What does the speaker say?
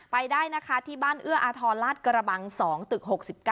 ไปได้นะคะที่บ้านเอื้ออาทรลาดกระบัง๒ตึก๖๙